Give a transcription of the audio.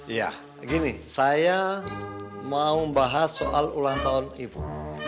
iya gini saya mau bahas soal ulang tahun ibu